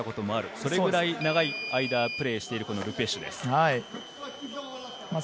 それくらい長い間、プレーしているル・ペシュ選手です。